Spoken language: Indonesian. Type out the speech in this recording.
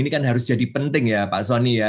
ini kan harus jadi penting ya pak soni ya